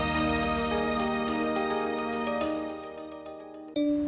jika jalan ke dunia